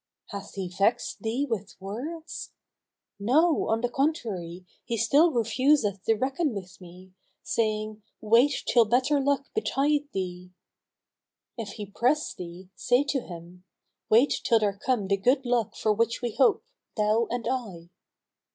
"Hath he vexed thee with words?" "No, on the contrary, he still refuseth to reckon with me, saying, 'Wait till better luck betide thee.'" "If he press thee, say to him, 'Wait till there come the good luck for which we hope, thou and I.'"